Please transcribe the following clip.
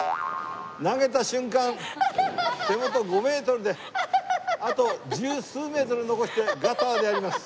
投げた瞬間手元５メートルであと十数メートル残してガターであります。